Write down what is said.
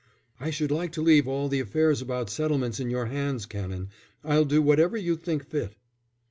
"I should like to leave all the affairs about settlements in your hands, Canon. I'll do whatever you think fit."